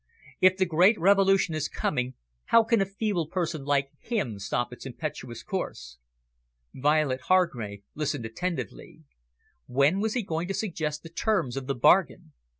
If the great Revolution is coming, how can a feeble person like him stop its impetuous course?" Violet Hargrave listened attentively. When was he going to suggest the terms of the bargain?